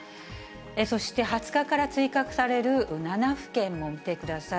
そして２０日から追加される７府県も見てください。